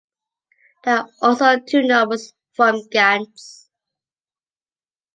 There are also two novels from Gantz.